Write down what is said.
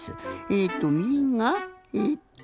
えとみりんがえと。